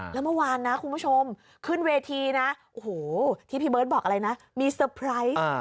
แล้วเมื่อวานนะคุณผู้ชมขึ้นเวทีนะโอ้โหที่พี่เบิร์ตบอกอะไรนะมีเตอร์ไพรส์